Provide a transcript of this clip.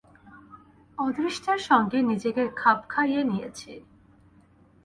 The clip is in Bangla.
অদৃষ্টের সঙ্গে নিজেকে খাপ খাইয়ে নিয়েছি।